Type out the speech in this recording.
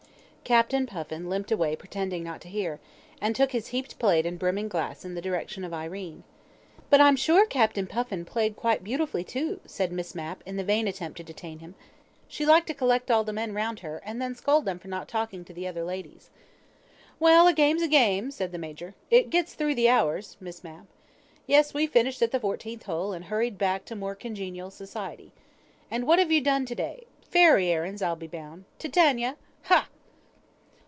Captain Puffin limped away pretending not to hear, and took his heaped plate and brimming glass in the direction of Irene. "But I'm sure Captain Puffin played quite beautifully too," said Miss Mapp in the vain attempt to detain him. She liked to collect all the men round her, and then scold them for not talking to the other ladies. "Well, a game's a game," said the Major. "It gets through the hours, Miss Mapp. Yes: we finished at the fourteenth hole, and hurried back to more congenial society. And what have you done to day? Fairy errands, I'll be bound. Titania! Ha!"